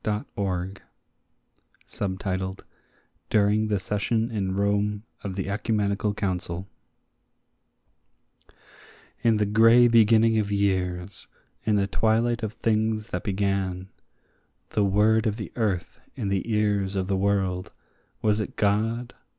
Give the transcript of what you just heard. HYMN OF MAN (DURING THE SESSION IN ROME OF THE ECUMENICAL COUNCIL) IN the grey beginning of years, in the twilight of things that began, The word of the earth in the ears of the world, was it God?